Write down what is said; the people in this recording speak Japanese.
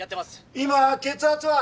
今血圧は？